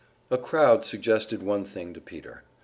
A crowd suggested one thing to Peter.